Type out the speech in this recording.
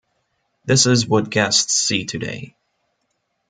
This is what guests see today.